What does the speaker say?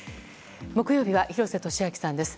木曜日は廣瀬俊朗さんです。